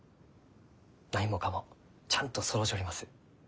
何もかもちゃんとそろうちょります。